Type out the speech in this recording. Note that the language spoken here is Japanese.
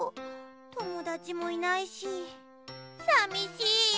ともだちもいないしさみしいよ！